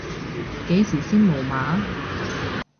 幾時先無碼？